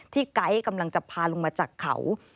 ไก๊กำลังจะพาลงมาจากเขา